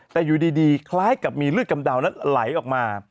แต่อยู่ดีคล้ายกับมีเลือดกำเดานั้นไหลออกมา